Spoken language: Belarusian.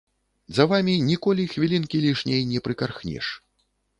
За вамі ніколі хвілінкі лішняй не прыкархнеш.